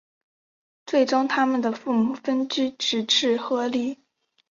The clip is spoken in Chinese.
最终他们的父母分居直至和离。